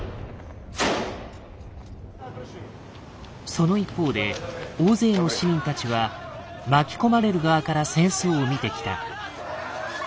その一方で大勢の市民たちは巻き込まれる側から戦争を見てきた。